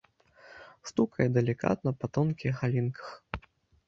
Стукае далікатна па тонкіх галінках.